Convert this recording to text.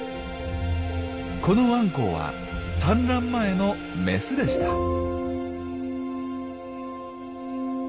このアンコウは産卵前のメスでした。